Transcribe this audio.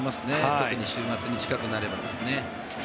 特に週末に近くなればですね。